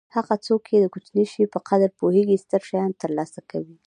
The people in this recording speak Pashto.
هغه څوک چې د کوچني شي په قدر پوهېږي ستر شیان ترلاسه کوي.